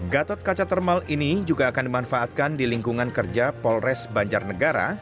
gatot kaca termal ini juga akan dimanfaatkan di lingkungan kerja polres banjarnegara